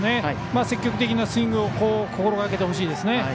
積極的なスイングを心がけてほしいですね。